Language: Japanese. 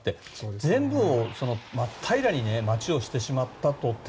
全部を街を真っ平らにしてしまったとて